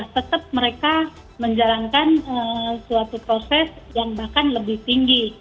tetap mereka menjalankan suatu proses yang bahkan lebih tinggi